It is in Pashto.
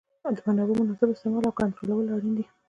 د منابعو مناسب استعمال او کنټرولول اړین دي.